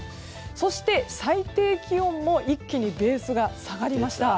そして最低気温も一気にベースが下がりました。